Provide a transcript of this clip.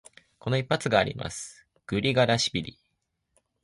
この一発があります、グリガラシビリ。